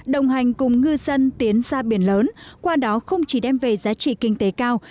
đồng hành cùng ngư dân tiến ra biển lớn qua đó không chỉ đem về giá trị kinh tế cao